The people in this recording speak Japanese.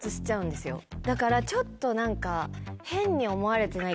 だからちょっと何か。